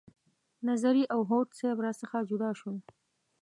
نظري او هوډ صیب را څخه جدا شول.